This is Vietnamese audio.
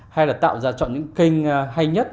hay là tạo ra chọn những kênh hay nhất